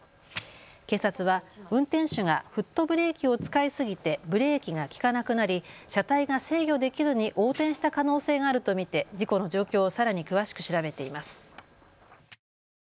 警察は運転手がフットブレーキを使いすぎてブレーキが利かなくなり車体が制御できずに横転した可能性があると見て事故の状況をさらに詳しく調べています。